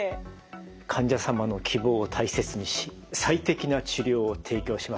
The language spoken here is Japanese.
「患者様の希望を大切にし最適な治療を提供します」。